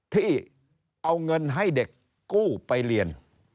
ที่เอาเงินให้เด็กกู้ไปเรียน